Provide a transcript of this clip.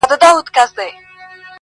تاریخي جګړې اوږده اغېزې پرېږدي